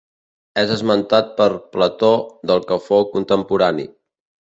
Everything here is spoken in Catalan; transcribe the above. És esmentat per Plató del que fou contemporani.